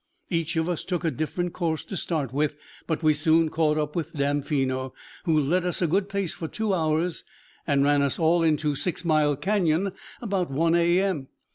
Each of us took a different course to start with, but we soon caught up with Damfino, who led us a good pace for two hours and ran us all into Six Mile Canyon about one a. m.